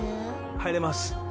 入れます